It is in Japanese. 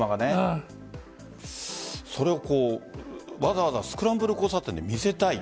これをわざわざスクランブル交差点で見せたい。